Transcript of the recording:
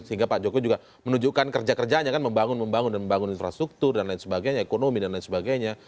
sehingga pak jokowi juga menunjukkan kerja kerjanya kan membangun membangun dan membangun infrastruktur dan lain sebagainya ekonomi dan lain sebagainya